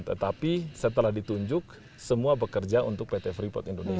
tetapi setelah ditunjuk semua bekerja untuk lalu